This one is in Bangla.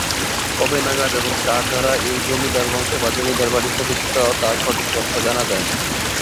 কবে নাগাদ এবং কার দ্বারা এই জমিদার বংশ বা জমিদার বাড়ি প্রতিষ্ঠিত তার সঠিক তথ্য জানা যায়নি।